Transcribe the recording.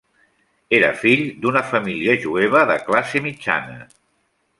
Era fill d'una família jueva de classe mitjana.